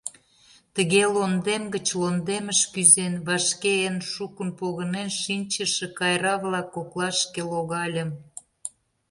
Тыге, лондем гыч лондемыш кӱзен, вашке эн шукын погынен шинчыше кайра-влак коклашке логальым.